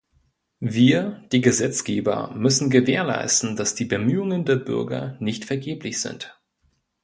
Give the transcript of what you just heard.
Wir, die Gesetzgeber, müssen gewährleisten, dass die Bemühungen der Bürger nicht vergeblich sind.